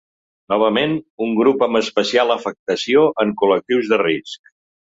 Novament, un grup amb especial afectació en col·lectius de risc.